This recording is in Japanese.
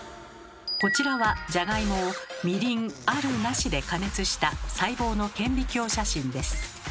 こちらはジャガイモをみりん「ある」「なし」で加熱した細胞の顕微鏡写真です。